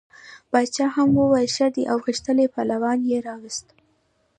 باچا هم وویل ښه دی او غښتلی پهلوان یې راووست.